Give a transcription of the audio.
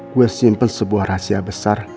gue simpen sebuah rahasia besar